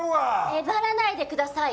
えばらないでください